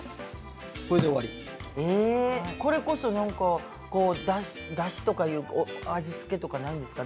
これこそ何かだしとか味付けとかないですか？